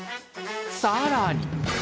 ［さらに］